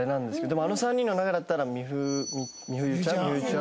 でもあの３人の中だったら美冬ちゃん美冬ちゃん。